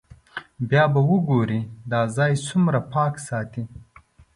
بیا به وګورئ دا ځای څومره پاک ساتي.